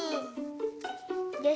よし。